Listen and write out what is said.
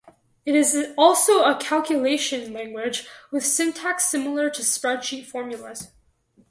It is also a calculation language, with syntax similar to spreadsheet formulas.